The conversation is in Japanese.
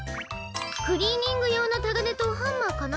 クリーニングようのたがねとハンマーかな。